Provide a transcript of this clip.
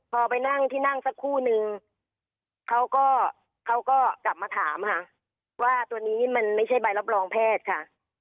พอไปนั่งที่นั่งสักคู่นึงเขาก็เขาก็กลับมาถามค่ะว่าตัวนี้มันไม่ใช่ใบรับรองแพทย์ค่ะ